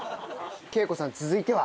桂子さん続いては？